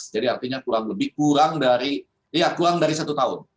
jadi artinya kurang dari satu tahun